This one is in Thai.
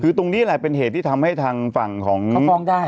คือตรงนี้แหละเป็นเหตุที่ทำให้ทางฝั่งของเขาฟ้องได้